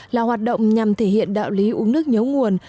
là hoạt động nhằm thể hiện đạo lý uống nước nhớ nguồn